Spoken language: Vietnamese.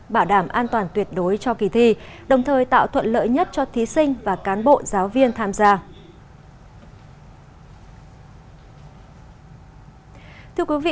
bảo đảm an toàn tuyệt đối cho kỳ thi đồng thời tạo thuận lợi nhất cho thí sinh và cán bộ giáo viên tham gia